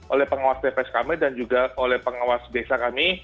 oleh pengawas tps kami dan juga oleh pengawas beksa kami